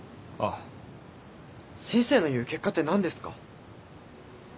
先生の言う結果って何ですか？